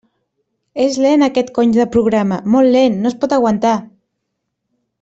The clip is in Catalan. És lent aquest cony de programa, molt lent, no es pot aguantar!